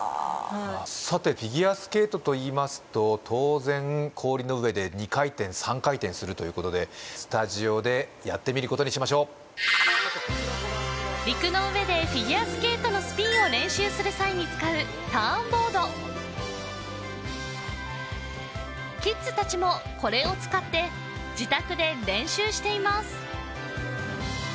さてフィギュアスケートといいますと当然氷の上で２回転３回転するということでスタジオでやってみることにしましょう陸の上でフィギュアスケートのスピンを練習する際に使うキッズたちもこれを使って自宅で練習しています